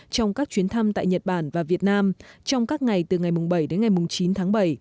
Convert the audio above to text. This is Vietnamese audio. trong các chuyến thăm tại nhật bản và việt nam trong các ngày từ ngày bảy đến ngày chín tháng bảy